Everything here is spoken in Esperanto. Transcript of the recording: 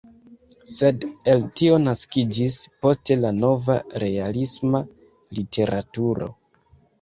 Sed el tio naskiĝis poste la nova realisma literaturo.